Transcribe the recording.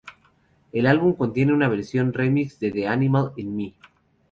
El álbum contiene una versión remix de "The Animal in Me".